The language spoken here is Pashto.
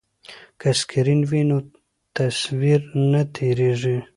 که سکرین وي نو تصویر نه تیریږي.